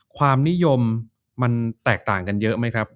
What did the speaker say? ความนิยมมันแตกต่างกันเยอะไหมครับ